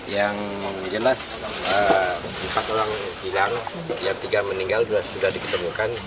yang jelas empat orang hilang yang tiga meninggal sudah diketemukan